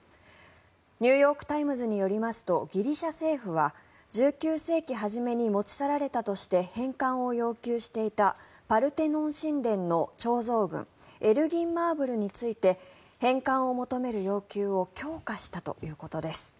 ニューヨーク・タイムズによりますと、ギリシャ政府は１９世紀初めに持ち去られたとして返還を要求していたパルテノン神殿の彫像群エルギン・マーブルについて返還を求める要求を強化したということです。